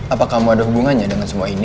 apakah kamu ada hubungannya dengan semua ini